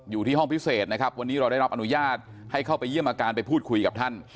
อยู่ที่ห้องพิเศษนะครับวันนี้เราได้รับอนุญาตให้เข้าไปเยี่ยมอาการไปพูดคุยกับท่าน